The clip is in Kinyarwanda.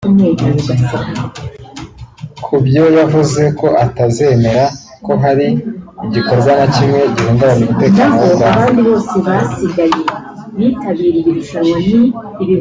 ku byo yavuze ko atazemera ko hari igikorwa na kimwe gihungabanya umutekano w’u Rwanda